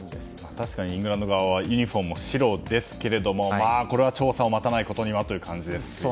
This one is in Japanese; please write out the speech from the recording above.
確かにイングランド側はユニホームも白ですけどこれは調査を待たないことにはという感じですね。